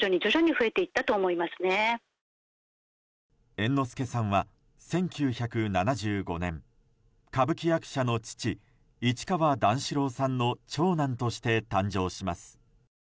猿之助さんは、１９７５年歌舞伎役者の父市川段四郎さんの長男として誕生します。